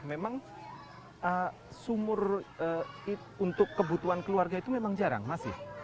memang sumur untuk kebutuhan keluarga itu memang jarang masih